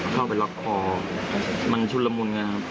เข้าไปล็อกคอมันชุดละมุนไงครับ